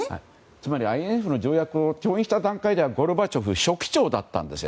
つまりＩＮＦを調印した段階ではゴルバチョフ書記長だった。